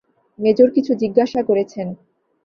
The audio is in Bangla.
মেজর কিছু জিজ্ঞাসা করেছেন!